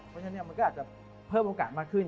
เพราะฉะนั้นมันก็อาจจะเพิ่มโอกาสมากขึ้น